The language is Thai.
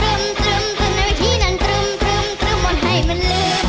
ตรึ่มตรึ่มตรึ่มในวิธีนั้นตรึ่มตรึ่มตรึ่มมันให้มันลืม